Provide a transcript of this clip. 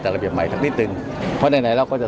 ตราบใดที่ตนยังเป็นนายกอยู่